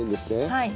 はい。